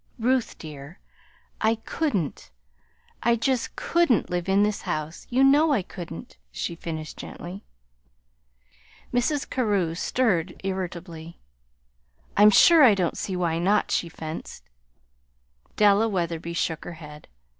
"Ruth, dear, I couldn't I just couldn't live in this house. You know I couldn't," she finished gently. Mrs. Carew stirred irritably. "I'm sure I don't see why not," she fenced. Della Wetherby shook her head.